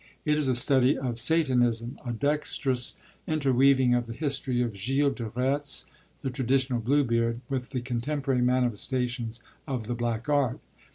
It is a study of Satanism, a dexterous interweaving of the history of Gilles de Retz (the traditional Bluebeard) with the contemporary manifestations of the Black Art.